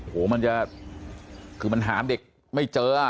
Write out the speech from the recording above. มันจะคือมันหาเด็กไม่เจอ